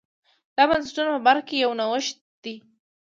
دا د بنسټونو په برخه کې یو نوښت دی.